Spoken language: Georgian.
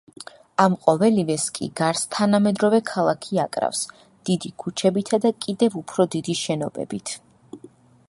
ამ ყოველივეს კი გარს თანამედროვე ქალაქი აკრავს, დიდი ქუჩებითა და კიდევ უფრო დიდი შენობებით.